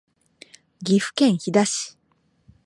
岐阜県飛騨市